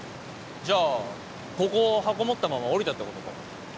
じゃあここを箱持ったまま下りたってことか。